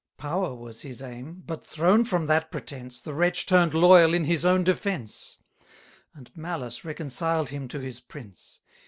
Power was his aim: but, thrown from that pretence, 50 The wretch turn'd loyal in his own defence; And malice reconciled him to his prince.